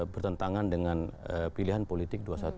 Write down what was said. bertentangan dengan pilihan politik dua ratus dua belas